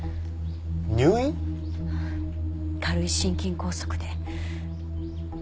入院？軽い心筋梗塞で。